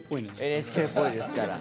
ＮＨＫっぽいですから。